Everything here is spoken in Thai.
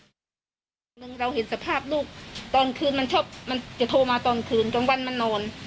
หนึ่งเราเห็นสภาพลูกตอนคืนมันชอบมันจะโทรมาตอนคืนกลางวันมันนอน